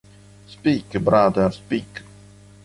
Speak, Brother, Speak!